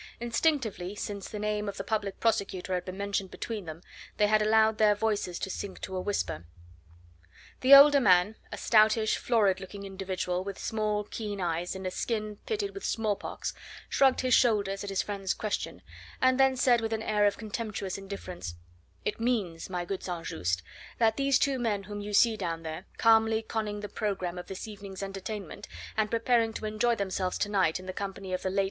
Instinctively, since the name of the Public Prosecutor had been mentioned between them, they had allowed their voices to sink to a whisper. The older man a stoutish, florid looking individual, with small, keen eyes, and skin pitted with small pox shrugged his shoulders at his friend's question, and then said with an air of contemptuous indifference: "It means, my good St. Just, that these two men whom you see down there, calmly conning the programme of this evening's entertainment, and preparing to enjoy themselves to night in the company of the late M.